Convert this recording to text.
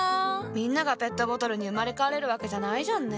みんながペットボトルに生まれ変われるわけじゃないじゃんね。